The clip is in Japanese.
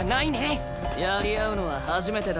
やり合うのは初めてだな蜂楽。